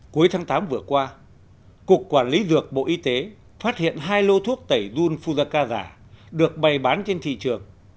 cuối tháng tám vừa qua cục quản lý dược bộ y tế phát hiện hai lô thuốc tẩy dunfuzakaza được bày bán trên thị trường